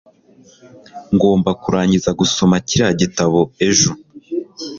Ngomba kurangiza gusoma kiriya gitabo ejo